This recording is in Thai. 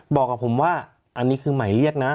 บอกกับผมว่าอันนี้คือหมายเรียกนะ